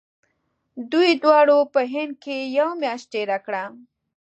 دوی دواړو په هند کې یوه میاشت تېره کړه.